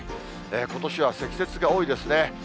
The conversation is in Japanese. ことしは積雪が多いですね。